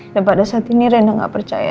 dan pada saat ini rena gak percaya